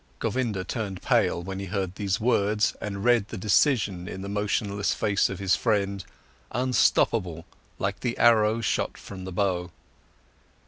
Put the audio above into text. Govinda turned pale, when he heard these words and read the decision in the motionless face of his friend, unstoppable like the arrow shot from the bow.